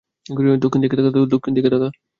দক্ষিণ দিকে তাকা।